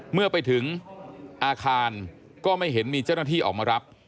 เมื่อไปถึงอาคารก็ไม่เห็นมีเจ้าหน้าที่ออกมารับ